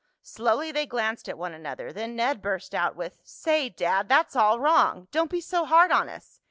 Slowly they glanced at one another, then Ned burst out with: "Say, Dad, that's all wrong! Don't be so hard on us.